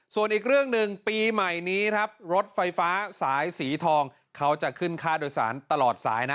ส่วนอีกเรื่องหนึ่งปีใหม่นี้ครับรถไฟฟ้าสายสีทองเขาจะขึ้นค่าโดยสารตลอดสายนะ